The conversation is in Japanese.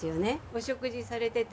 お食事されてて。